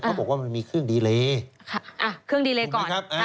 เขาบอกว่ามันมีเครื่องดีเลย์ค่ะอ่ะเครื่องดีเลย์ก่อนอ่า